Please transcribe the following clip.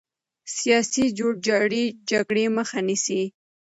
سیاسي جوړجاړی جګړې مخه نیسي